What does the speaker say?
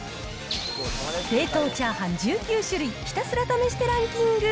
冷凍チャーハン１９種類、ひたすら試してランキング。